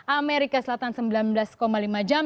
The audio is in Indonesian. amerika selatan sembilan belas lima jam